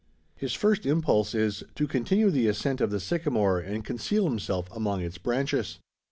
His first impulse is, to continue the ascent of the sycamore, and conceal himself among its branches.